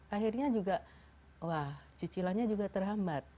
akhirnya juga wah cicilannya juga terhambat